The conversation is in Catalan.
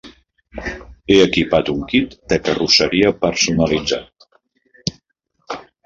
He equipat un kit de carrosseria personalitzat.